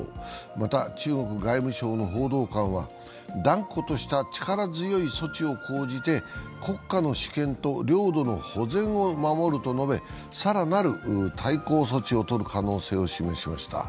また、中国外務省の報道官は断固とした力強い措置を講じて国家の主権と領土の保全を守ると述べ、更なる対抗措置を取る可能性を示しました。